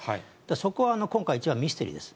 そこは今回、一番ミステリーです。